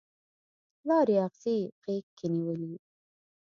لارې اغزي غیږ کې نیولي